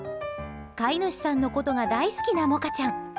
飼い主さんのことが大好きなモカちゃん。